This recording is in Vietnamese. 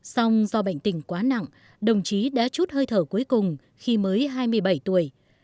xong do bệnh tình quá nặng đồng chí đã chút hơi thở cuối cùng khi mới hai mươi bảy tuổi